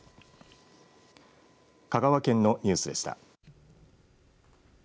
香川県のニュースでした。